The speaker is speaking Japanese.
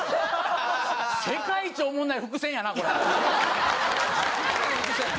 世界一おもんない伏線やな、これ。